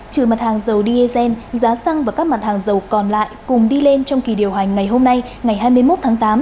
trừ mặt hàng dầu dsn giá xăng và các mặt hàng dầu còn lại cùng đi lên trong kỳ điều hành ngày hôm nay ngày hai mươi một tháng tám